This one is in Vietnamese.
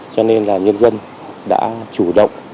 cho nên là nhân dân đã chủ động